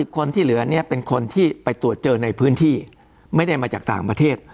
คนที่เหลือเนี่ยเป็นคนที่ไปตรวจเจอในพื้นที่ไม่ได้มาจากต่างประเทศ